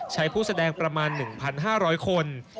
ผู้แสดงประมาณ๑๕๐๐คน